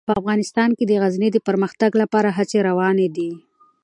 په افغانستان کې د غزني د پرمختګ لپاره هڅې روانې دي.